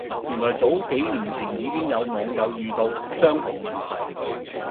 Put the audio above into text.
原來早幾年前已經有網友遇到相同問題